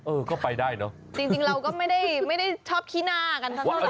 เออก็ไปได้เนอะจริงเราก็ไม่ได้ชอบคีนากันทั้งหมด